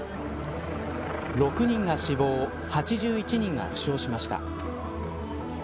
６人が死亡８１人が負傷しました。